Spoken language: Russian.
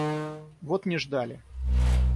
Вот не ждали!